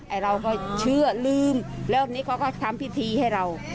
ไอ้เราก็เชื่อลืมแล้วนี่เขาก็ทำพิธีให้เรา